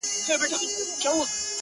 زه هم دا ستا له لاسه!!